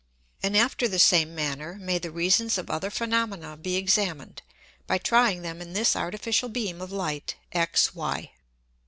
And after the same manner may the Reasons of other Phænomena be examined, by trying them in this artificial beam of Light XY.